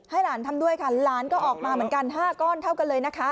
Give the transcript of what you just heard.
หลานทำด้วยค่ะหลานก็ออกมาเหมือนกัน๕ก้อนเท่ากันเลยนะคะ